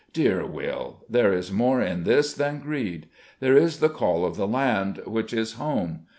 Dear Will, there is more in this than greed. There is the call of the land, which is home.